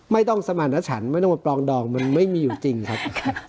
ไม่ต้องสมารถฉันไม่ต้องมาปลองดองมันไม่มีอยู่จริงครับ